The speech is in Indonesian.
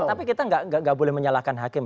tapi kita nggak boleh menyalahkan hakim